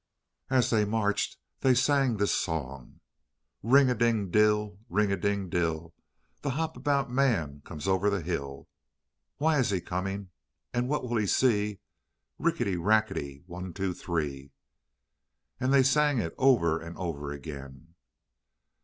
And as they marched they sang this song: "Ring a ding dill, ring a ding dill, The Hop about Man comes over the hill. Why is he coming, and what will he see? Rickety, rackety one, two, three." And they sang it over and over again.